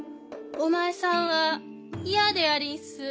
お前さんは嫌でありんす。